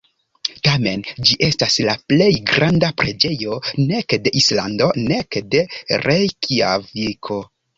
Tamen, ĝi estas la plej granda preĝejo nek de Islando nek de Rejkjaviko.